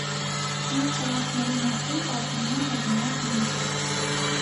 Մյուս հերոսների մասին պատմում է հեղինակն ինքը։